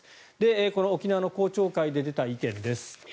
この沖縄の公聴会で出た意見です。